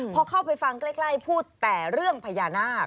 พอเข้าไปฟังใกล้พูดแต่เรื่องพญานาค